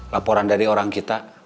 laporan dari orang kita